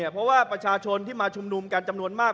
เพราะว่าประชาชนที่มาชุมนุมกันจำนวนมาก